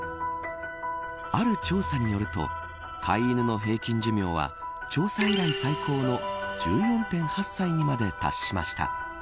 ある調査によると飼い犬の平均寿命は調査以来最高の１４．８歳にまで達しました。